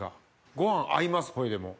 ご飯合いますほいでも。